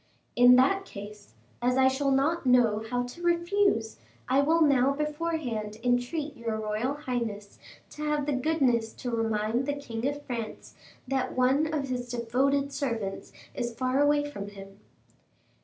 "In that case, as I shall not know how to refuse, I will now beforehand entreat your royal highness to have the goodness to remind the king of France that one of his devoted servants is far away from him."